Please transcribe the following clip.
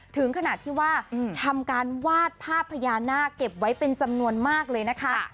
ถึงขนาดที่ว่าทำการวาดภาพพญานาคเก็บไว้เป็นจำนวนมากเลยนะคะ